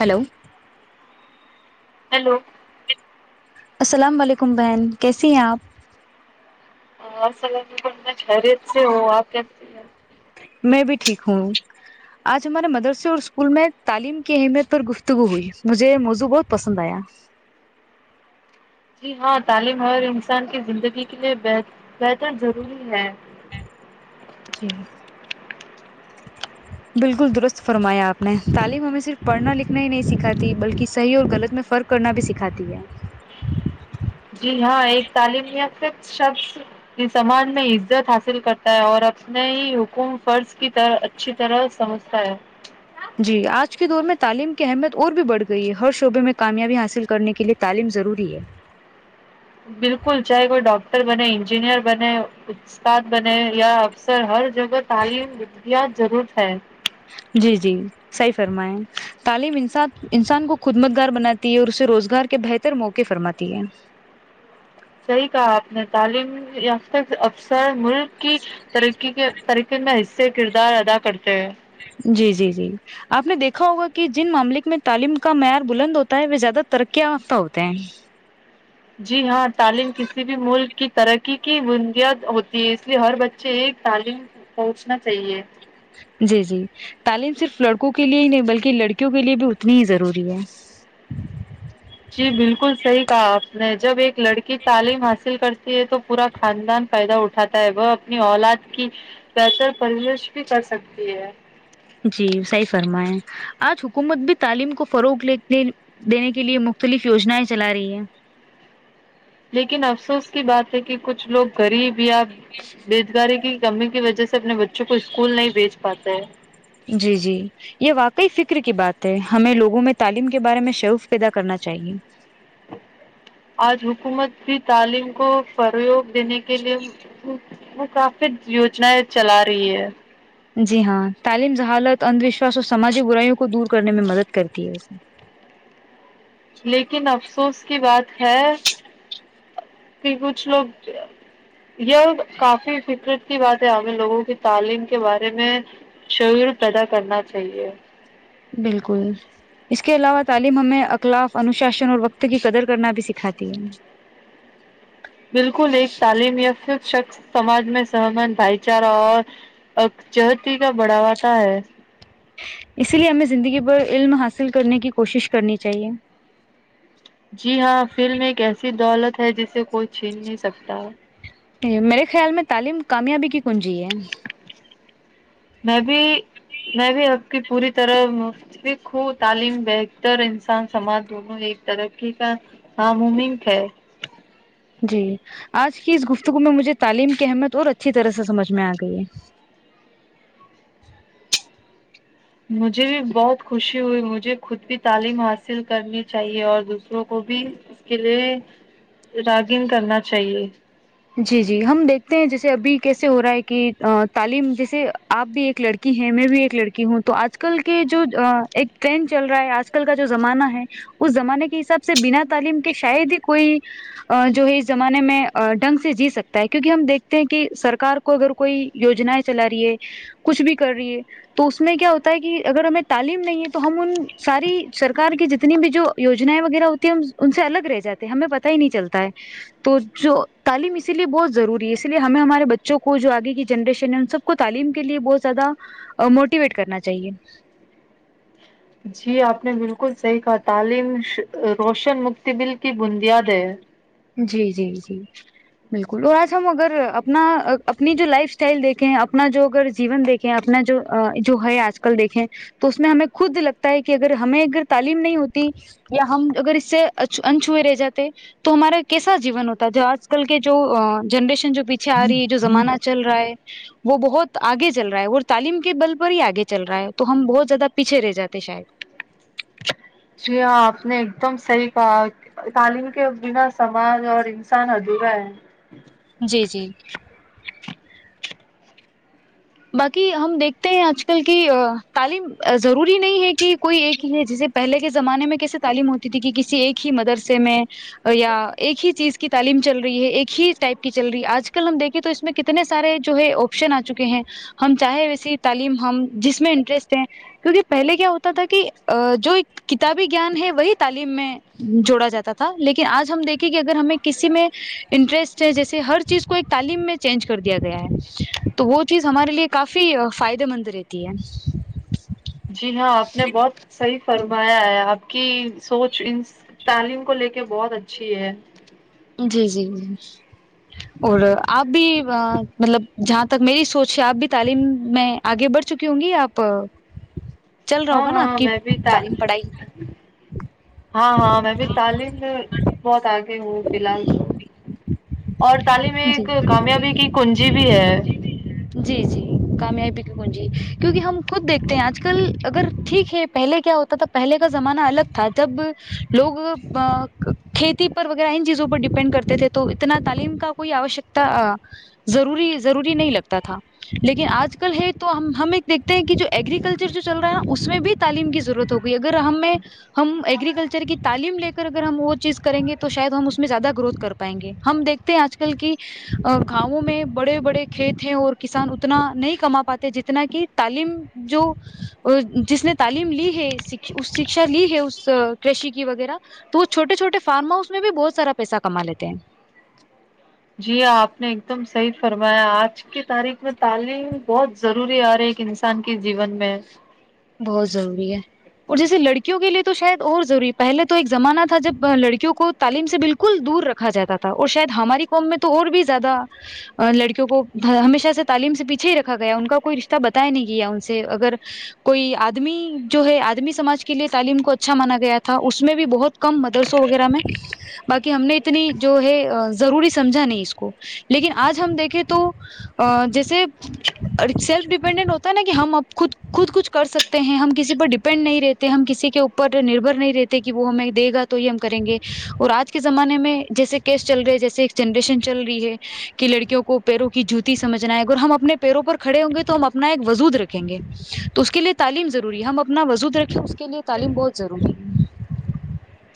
hello hello السلام علیکم بہن کیسی ہیں آپ ہل خیریت سے ہو آپ کی میں بھی ٹھیک ہوں آج ہمارے مدرسے اور اسکول میں تعلیم کی اہمیت اور گفتگو ہوئی مجھے موضوع بہت پسند آیا جی ہاں تعلیم ہمر انسان کی زندگی کے لیے بہتر ضروری ہے جی بالکل درست فرمایا آپ نے تعلیم ہمیں صرف پڑھنا لکھنا ہی نہیں سکھاتی بلکہ صحیح اور غلط میں فرق کرنا بھی سکھاتی ہے جی ہاں ایک تعلیم یا ص شخص سماج میں عزت حاصل کرتا ہے اور اپنے ہی حکوم فرض کی طرح اچھی طرح سمجھتا ہے جی آج کے دور میں تعلیم کی اہمیت اور بھی بڑھ گئی ہے ہر شعبے میں کامیابی حاصل کرنے کے لئے تعلیم ضروری ہے بالکل چاہے کوئی ڈاکٹر بنے انجینئر بنے استاد بنے یا افسر ہر جگہ تعلیم احتیا ضرورت ہے جی جی صحیح فرمائیں تعلیم انسان انسان کو خود متگار بناتی ہے اور اسے روزگار کے بہتر موقعے فرماتی ہے صحیح کہا آپ نے تعلیم یاف تک افسر ملک کی طرق کے طر نا حصے کردار ادا کرتے ہیں جی جی جی آپ نے دیکھا ہوگا کہ جن معاملے میں تعلیم کا معیار بلند ہوتا ہے وہ زیادہ ترقی یافتہ ہوتے ہیں جی ہاں تعلیم کسی بھی ملک کی ترقی کی بندیاد ہوتی ہے اس لیے ہر بچے ایک تعلیم پہنچنا چاہیے جی جی تعلیم صرف لڑکوں کے لیے ہی نہیں بلکہ لڑکیوں کے لیے بھی اتنی ہی ضروری ہے جی بالکل صحیح کہا آپ نے جب ایک لڑکی تعلیم حاصل کرتی یہ تو پورا خاندان فائدہ اٹھاتا ہے وہ اپنی اولاد کی بہتر پرورش بھی کر سکتی ہے جی صی فرمائیں آج حکومت بھی تعلیم کو فروغنے دینے کے لیے مختلف یوجنیں چلا رہی ہے لیکن افسوس کی بات ہے کہ کہ کچھ لوگ غریب یا بوزگاری کی کمی کی وجہ سے اپنے بچوں کو اسکول نہیں بھیج پاتے ہیں جی جی یہ واقعی فکر کی بات ہے ہمیں لوگوں میں تعلیم کے بارے میں شعوف پیدا کرنا چاہیے آج حکومت بھی تعلیم کو فرو دینے کے لیے میں کافی یوجنایں چلا رہی ہے جی ہاں تعلیم ہالت اندھ وشواس اور سماجی برائیوں کو دور کرنے میں مدد کرتی ہےے لیکن افسوس کی بات ہے کہ کچھ لوگ یہ کافی فکرت کی بات ہے ہمیں لوگوں کی تعلیم کے بارے میں شعور پیدا کرنا چاہیے بالکل اس کے علاوہ تعلیم ہمیں اخلاف انوشاشن اور وقت کی قدر کرنا بھی سکھاتی ہے بالکل ایک تعلیم یا پھر شخص سماج میں سہمت بھائی چارہ اور جہتی کا بڑھاواتا ہے اسی لیے ہمیں زندگی ب علم حاصل کرنے کی کوشش کرنی چاہیے جی ہاں فلم ایک ایسی دولت ہے جسے کوئی چھین نہیں سکتا ج میرے خیال میں تعلیم کامیابی کی کنجی ہے میں بھی میں بھی آب کی پوری طرح مفف ہوں تعلیم بہتر انسان سماج دونوں ایک ترقی کا ن ممنک ہے جی آج کی اس گفتگو میں مجھے تعلیم کی اہمیت اور اچھی طرح سے سمجھ میں آ گئی ہے مجھے بھی بہت خوشی ہوئی مجھے خود بھی تعلیم حاصل کرنی چاہیے اور دوسروں کو بھی اس کے لیے راگین کرنا چاہیے جی جی ہم دیکھتے ہیں جیسے ابھی کیسے ہو رہا ہے کہ تعلیم جیسے آپ بھی ایک لڑکی ہے میں بھی ایک لڑکی ہوں تو آج کل کے جو ایک ٹرینڈ چل رہا ہے آج کل کا جو زمانہ ہے اس زمانے کے حساب سے بنا تعلیم کے شاید ہی کوئی جو ہے اس زمانے میں ڈھنگ سے سے جی سکتا ہے کیوںکہ ہم دیکھتے ہیں کہ سرک کو اگر کوئی یجناائیں چلا رہی ہے کچھ بھی کر رہی ہے تو اس میں کیا ہوتا ہے کہ اگر ہمیں تعلیم نہیں ہے تو ہم ان ساری سرار کی جتنی بھی جو یوجنائیں وغیرہ ہوتی ہے ہم ان سے الگ رہ جاتے ہمیں پت ہی نہیں چلتا ہے تو جو تعلیم اسی لیے بہت ضروری ہے اسی لیے ہمیں ہمارے بچوں کو جو آگے کی جنریشن ہے ان سب کو تعلیم کے لیے بہت زیادہ موٹیویٹ کرنا چاہیے جی آپ نے بالکل صحیح کہا تعلیم روشن مکتبل کی بنندیاد ہے جی جی جی بالکل اور آج ہم اگر اپنا اپنی جو لائف اسٹائل دیکھیں اپنا جو اگر جیون دیکھیں اپنا جو جو ہے آج کل دیکھیں تو اس میں ہمیں خود لگتا ہے کہ اگر ہمیں اگر تعلیم نہیں ہوتی یا ہم اگر اس سے ان چھ ہوئے رہ جاتے تو ہمارے کیسا جیون ہوتا ہے جو آج کل کے جو جنریشن جو پیچھے آ رہی ہے جو زمانہ چل رہا ہے وہ بہت آگے چل رہا ہے وہ تعلیم کے بل پر ہی آگے چل رہا ہے تو ہم بہت زیادہ پیچھے رہ جاتے شاید جی ہاں آپ نے ایک دم صحیح کہا تعلیم کے بنا سماج اور انسان ادھورا ہے جی جی باقی ہم دیکھتے ہیں آج کل کی تعلیم ضروری نہیں ہے کہ کوئی ایک ہی ہے جیسے پہلے کے زمانے میں کیسے تعلیم ہوتی تھی کہ کسی ایک ہی مدرسے میں یا ایک ہی چیز کی تعلیم چل رہی ہے ایک ہی ٹائپ کی چل رہی ہے آج کل ہم دیکھیں تو اس میں کتنے سارے جو ہے آپشن آ چکے ہیں ہم چاہیں ویسی تعلیم ہم جس میں انٹرسٹ ہیں کیونکہ پہلے کیا ہوتا تھا کہ جو کتابی گیان ہے وہی تعلیم میں جوڑا جاتا تھا لیکن آج ہم دیکھیں کہ اگر ہمیں کسی میں انٹرسٹ ہے جیسے ہر چیز کو ایک تعلیم میں چینج کر دیا گیا ہے تو وہ چیز ہمارے لیے کافی فائدے مند رہتی ہے جی ہاں آپ نے بہت صحیح فرمایا ہے آپ کی سوچ ان تعلیم کو لے کے بہت اچھی ہے جی جی جی اور آپ بھی مطلب جہاں تک میری سوچ ہے آپ بھی تعلیم میں آگے بڑھ چکی ہوں گی آپ چل رہا ہوگا نا ہاں آپ کی میں بھی تعلیم پڑھائی ہاں ہاں میں بھی تعلیم میں بہت آگے ہوں فی الحال تو اور تعلیم جی ایک کامیابی کی کنجی بھی ہے جی جی کامیابی کی گنجی کیونکہ ہم خود دیکھتے ہیں آج کل اگر ٹھیک ہے پہلے کیا ہوتا تھا پہلے کا زمانہ الگ تھا جب لوگ کھیتی پر چیزوں پر ڈپینڈ کرتے تھے تو اتنا تعلیم کا کوئی آوکتاری ضروری نہیں لگتا تھا لیکن آج کل ہے تو ہم ایک دیکھتے ہیں کہ جو اگرییکلچر جو چل رہا ہے نا اس میں بھی تعلیم کی ضرورت ہوگئی اگر ہمیں ہم اگرییکلچر کی تعلیم لے کر اگر ہم وہ چیز کریں گے تو تو شاید ہم اس میں زیادہ گروتھ کر پائیں گے ہم دیکھتے ہیں آج کل کی گاؤوں میں بڑے بڑے کھیت ہیں اور کسان اتنا نہیں کما پاتے جتنا کہ تعلیم جو جس نے تعلیم لی ہے شکشا لی ہے اس کشی کی وغیرہ تو وہ چھوٹے چھوٹے فارم ہاؤس اس میں بھی بہت سارا پیسہ کما لیتے ہیں جی آپ نے ایک دم صحیح فرمایا آج کی تاریخ میں تعلیم بہت ضروری آ رہی ہے ایک انسان کے جیون میں بہت ضروری ہے اور جیسے لڑکیوں کے لیے تو شاید اور ضروری پہلے تو ایک زمانہ تھا جب لڑکیوں کو تعلیم سے بالکل دور رکھا جاتا تھا اور شاید ہماری قوم میں تو اور بھی زیادہ لڑکیوں کو ہمیشہ سے تعلیم سے پیچھے ہی رکھا گیا ان کا کوئی رشتہ بتایا نہیں گ ان سے اگر کوئی آدمی جو ہے آدمی سماج کے لیے تعلیم کو اچھا مانا گیا تھا اس میں بھی بہت کم مدرسوں وغیرہ میں باقی ہم نے اتنی جو ہے ضروری سمجھا نہیں اس کو لیکن آج ہم دیکھیں تو جیسے سیلف ڈپینڈنٹ ہوتا ہے نا کہ ہم اب خود خود کچھ کر سکتے ہیں ہم کسی پر ڈیپینڈ نہیں رہتے ہم کسی کے اوپر نربر نہیں رہتے کہ وہ ہمیں دے گا تو یہ ہم کریں گے اور آج کے زمانے میں جیسے کیس چل رہے جیسے ایک جنریشن چل رہی ہے کہ لڑکیوں کو پیروں کی جوتی سمجھنا ہے اگر ہم اپنے پیروں پر کھڑے ہوں گے تو ہم اپنا ایک وجود رکھیں گے تو اس کے لیے تعلیم ضروری ہے ہم اپنا وزود رکھیں اس کے لیئے تعلیم بہت ضروری ہے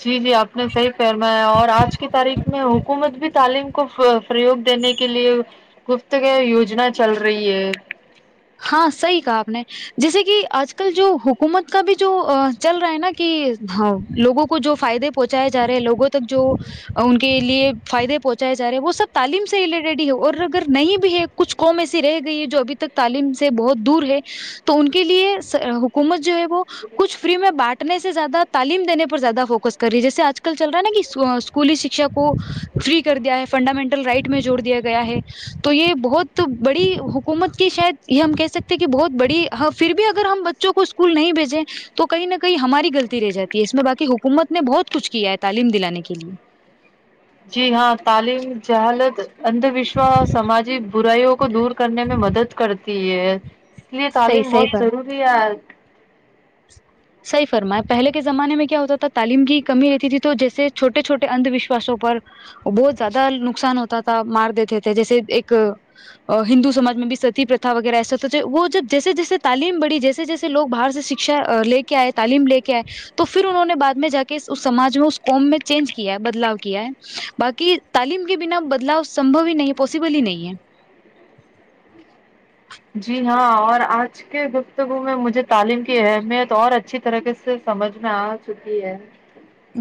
جی جی آپ نے صحیح فرمایا اور آج کی تاریخ میں حکومت بھی تعلیم کو فروغ دینے کے لیے گفتگ یوجنا چل رہی ہے ہاں صحی کہا آپ نے جیسے کہ آج کل جو حکومت کا بھی جو چل رہا ہے نا کہ لوگوں کو جو فائدے پہنچاائے جا رہے ہیں لوگوں تک جو ان کے لیے فائدے پہنچائے جا رہے ہیں وہ سب تعلیم سے ریلیٹڈ ہی ہے اور اگر نہیں بھی ہے کچھ کووم ایسی رہ گئی ہے جو ابھی تک تعلیم سے بہت دور ہے تو ان کے لیے حکومت جو ہے وہ کچھ فری میں بانٹنے سے زیادہ تعلیم دینے پر زیادہ فوکس کر رہی ہے جیسے آج کل چل رہا ہے نا کہ اسکولی شکشا کو فری کر دیا ہے فنڈامنٹل رائٹ میں جوڑ دیا گیا ہے تو یہ بہت بڑی حکومت کہ شاید یہ ہم کہہ سکتے ہیں کہ بہت بڑی ہ پھر بھی اگر ہم بچوں کو اسکول نہیں بھیجیں تو کہیں نہ کہیں ہماری غلطی رہ جاتی ہے اس میں باقی حکومت نے بہت کچھ کیا ہے تعلیم دلانے کے لیے جی ہاں تعلیم جہالت ادند وشوس سماجک براائیو کو دور کرنے میں مدد کرتی ہے یہ صحیح تعلیم صحیح بہت پر ضروری ہے صیح فرما پہلے کے زمانے میں کیا ہوتا تھا تعلیم کی کمی رہتی تھی تو جیسے چھوٹے چھوٹے اندھ وشواسوں پر بہت زیادہ نقصان ہوتا تھا مار دیتے تھے جیسے ایک ہندو سمج میں بھی ستی پرھا وغیرہ ایسا تو وہ جب جیسے جیسے تعلیم بڑی جیسے جیسے لوگ باہر سے شکھا لے آئے تعلیم لے کے آئے تو پھر انہوں نے بعد میں جا کے سمج میں اس قم میں چینج کیا ہے بدلاو کیا ہے باقی تعلیم کے بنا بدلاؤ سمبھو ہی نہیں ہے پاسبل ہی نہیں ہے جی ہاں اور آج کے گفتگو میں مجھے تعلیم کی اہمیت اور اچھی طریقے سے سمجھ میں آ چکی ہے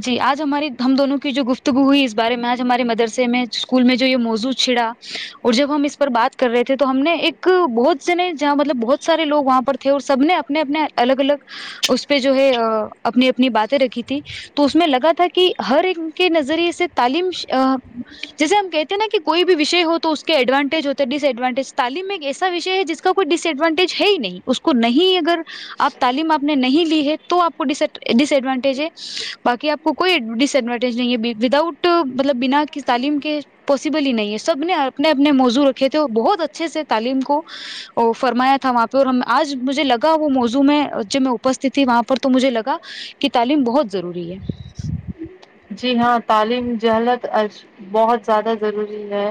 جی آج ہماری ہم دونوں کی جو گفتگو ہوئی اس بارے میں آج ہمارے مدرسے میں اسکول میں جو یہ موضو چھڑا اور جب ہم اس پر بات کر رہے تھے تو ہم نے ایک بہت سنے جہاں مطلب بہت سارے لوگ وہاں پر تھے اور سب نے اپنے اپنے الگ الگ اس پہ جو ہے اپنی اپنی باتیں رکھی تھی تو اس میں لگا تھا کہ ہر ان کے نظریے سے تعلیم جیسے ہم کہتے ہیں نا کہ کوئی بھی وشے ہو تو اس کے ایڈوانٹیج ہوتے ڈس ایڈوانٹیج تعلیم ایک ایسا وشے ہے جس کا کوئی ڈس ایڈوانٹیج ہے ہی نہیں اس کو نہیں اگر آپ تعلیم آپ نے نہیں لی ہے تو آپ کو ڈس ایڈوانٹیج ہے باقی آپ کو کوئی ڈس ایڈوانٹیج نہیں ہے وداؤٹ مطلب بنا کہ تعلیم کے پاسبل ہی نہیں ہے سب نے اپنے اپنے موضوع رکھے تھے اور بہت اچھے سے تعلیم کو فرمایا تھا وہاں پہ اور آج مجھے لگا وہ موضوع میں جب میں اپستت تھی وہاں پر تو مجھے لگا کہ تعلیم بہت ضروری ہے جی ہاں تعلیم جہلت بہت زیادہ ضروری ہے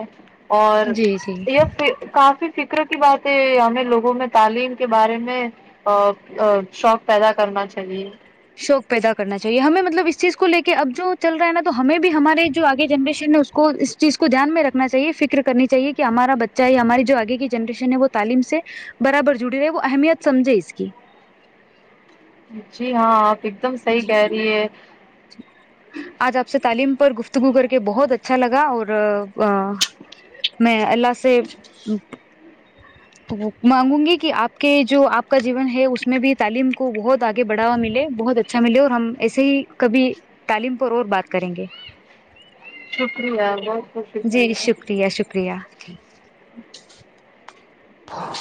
اور جی جی یہ پھر کافی فکر کی بات ہے ہمیں لوگوں میں تعلیم کے بارے میں شوق پیدا کرنا چاہیے شوق پیدا کرنا چاہیے ہمیں مطلب اس چیز کو لے کے اب جو چل رہا ہے نا تو ہمیں بھی ہمارے جو آگے جنریشن ہے اس کو اس چیز کو دھیان میں رکھنا چاہیے فکر کرنی چاہیے کہ ہمارا بچہ ہے ہماری جو آگے کی جنریشن ہے وہ تعلیم سے برابر جڑی رہے وہ اہمیت سمجھے اس کی جی ہاں آپ ایک دم صحی جی کہہ رہی ہے آج آپ سے تعلیم گفتگو کر کے بہت اچھا لگا اور میں اللہ سے مانگوں گی کہ آپ کے جو آپ کا جیون ہے اس میں بھی تعلیم کو بہت آگے بڑھوا ملے بہت اچا اچھا ملے اور ہم ایسے ہی کبھی تعلیم پر اور بات کریں گے شکریہ بہت بہت جی شکریہ شکریہ ہاں